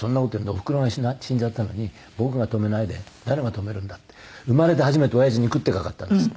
おふくろ死んじゃったのに僕が止めないで誰が止めるんだ」って生まれて初めて親父に食ってかかったんです。